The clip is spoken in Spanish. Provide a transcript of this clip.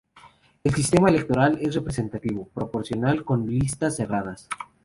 El sistema electoral es representativo proporcional con listas cerradas.